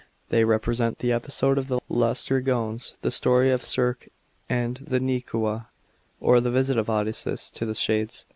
They represent the episode of the Laastryjiones, the story of Circe, and the Nekuia, or the visit of Odysseus to the Shades.